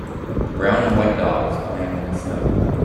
The brown and white dog is playing in the snow